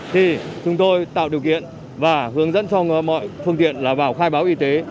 thì chúng tôi tạo điều kiện và hướng dẫn cho mọi phương tiện là vào khai báo y tế